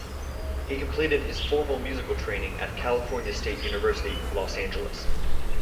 He completed his formal musical training at California State University, Los Angeles.